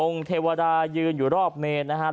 องค์เทวดายืนอยู่รอบเมน